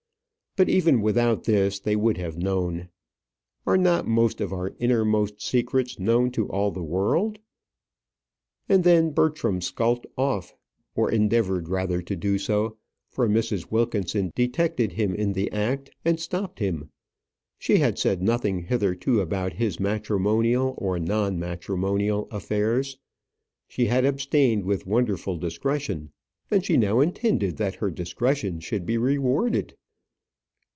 But even without this they would have known. Are not most of our innermost secrets known to all the world? And then Bertram skulked off or endeavoured rather to do so; for Mrs. Wilkinson detected him in the act, and stopped him. She had said nothing hitherto about his matrimonial or non matrimonial affairs. She had abstained with wonderful discretion; and she now intended that her discretion should be rewarded.